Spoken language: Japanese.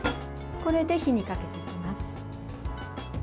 これで火にかけていきます。